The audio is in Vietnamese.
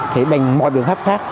thì bằng mọi biện pháp khác